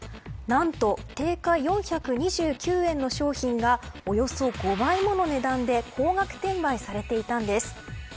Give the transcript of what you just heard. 何と定価４２９円の商品がおよそ５倍もの値段で高額転売されていたんです。